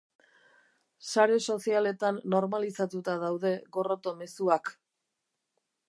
Sare sozialetan normalizatuta daude gorroto mezuak.